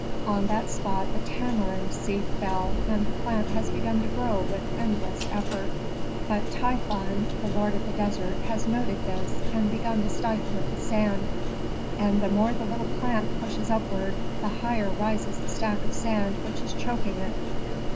On that spot a tamarind seed fell, and the plant has begun to grow with endless effort. But Typhon, the lord of the desert, has noted this, and begun to stifle it with sand. And the more the little plant pushes upward, the higher rises the stack of sand which is choking it.